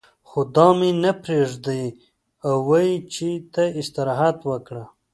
خو دا مې نه پرېږدي او وايي چې ته استراحت وکړه.